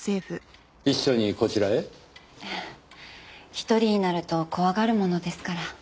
１人になると怖がるものですから。